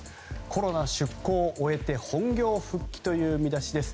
コロナ出向を終えて本業復帰という見出し。